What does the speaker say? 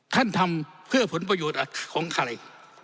ท่านทำเพื่อผลประโยชน์ของใคร